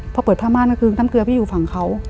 พอเปิดผ้าม่านก็คือน้ำเกลือพี่อยู่ฝั่งเขา